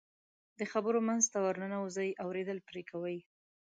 د خبرو منځ ته ورننوځي، اورېدل پرې کوي.